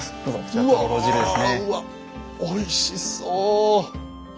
うわうわおいしそう！